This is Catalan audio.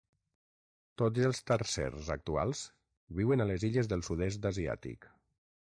Tots els tarsers actuals viuen a les illes del sud-est asiàtic.